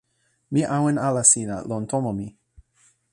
mi awen ala sina lon tomo mi.